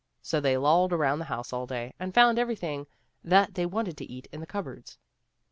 So they lolled around the house all day, and found everything that they wanted to eat in the cupboards.